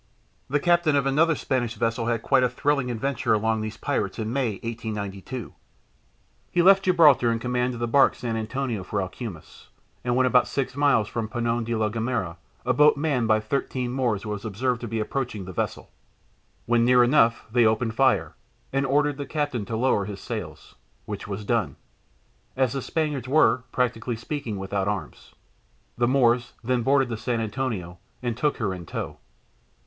The captain of another Spanish vessel had quite a "thrilling" adventure among these pirates in May, 1892. He left Gibraltar in command of the barque San Antonio for Alhucemas, and when about six miles from Peñon de la Gomera a boat manned by thirteen Moors was observed to be approaching the vessel. When near enough they opened fire, and ordered the captain to lower his sails, which was done, as the Spaniards were, practically speaking, without arms. The Moors then boarded the San Antonio and took her in tow.